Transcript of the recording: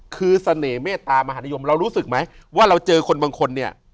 คือเสน่หมตามหานิยมเรารู้สึกไหมว่าเราเจอคนบางคนเนี่ย